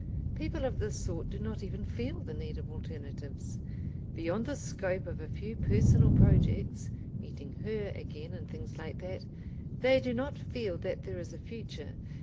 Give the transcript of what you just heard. People of this sort do not even feel the need of alternatives. Beyond the scope of a few personal projects, meeting Her again, and things like that, they do not feel that there is a future.